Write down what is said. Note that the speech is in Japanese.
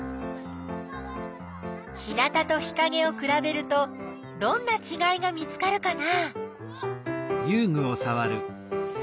日なたと日かげをくらべるとどんなちがいが見つかるかな？